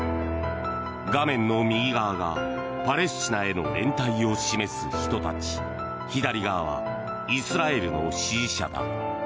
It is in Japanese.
画面の右側がパレスチナへの連帯を示す人たち左側はイスラエルの支持者だ。